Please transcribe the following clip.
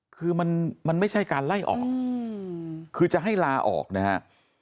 คือมันไม่ใช่การไล่ออกคือจะให้ลาออกนะครับ